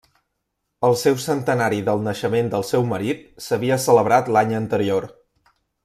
El seu centenari del naixement del seu marit s'havia celebrat l'any anterior.